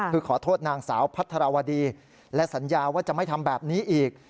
คือขอโทษนางสาวพัทรวดีและสัญญาว่าจะไม่ทำแบบนี้อีก